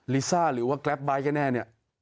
ลิซ่าหรือว่าแกรปไบท์ก็แน่เนี่ย